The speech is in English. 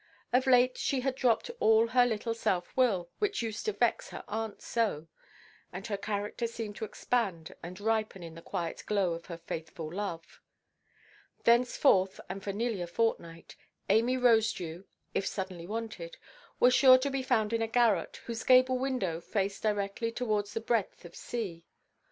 Of late she had dropped all her little self–will (which used to vex her aunt so), and her character seemed to expand and ripen in the quiet glow of her faithful love. Thenceforth, and for nearly a fortnight, Amy Rosedew, if suddenly wanted, was sure to be found in a garret, whose gable–window faced directly towards the breadth of sea.